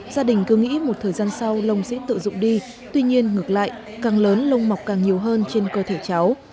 gia đình cứ nghĩ một thời gian sau lông sẽ tự dụng đi tuy nhiên ngược lại càng lớn lông mọc càng nhiều hơn trên cơ thể cháu